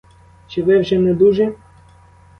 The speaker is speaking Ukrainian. Чи ви вже недужі?